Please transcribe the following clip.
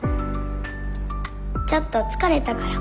ちょっと疲れたから。